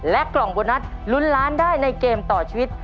กล่องโบนัสลุ้นล้านได้ในเกมต่อชีวิต